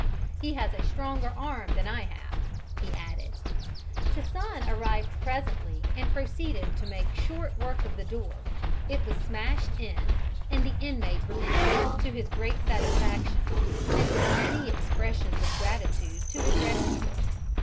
"He has a stronger arm than I have," he added. The son arrived presently and proceeded to make short work of the door: it was smashed in and the inmate released, to his great satisfaction and with many expressions of gratitude to his rescuer.